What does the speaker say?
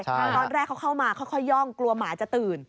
ตอนแรกเขาเข้ามาค่อยย่องกลัวหมาจะตื่น